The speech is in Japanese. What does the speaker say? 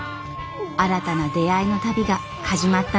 新たな出会いの旅が始まったのです。